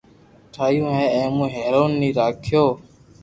ٺايو ھين اي ۾ ھيرن ني راکييو